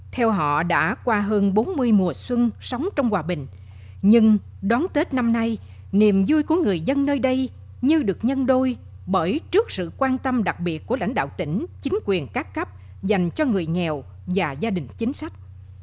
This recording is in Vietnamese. theo họ đã qua hơn bốn mươi mùa xuân sống trong hòa bình nhưng đón tết năm nay niềm vui của người dân nơi đây như được nhân đôi bởi trước sự quan tâm đặc biệt của lãnh đạo tỉnh chính quyền các cấp dành cho người nghèo và gia đình chính sách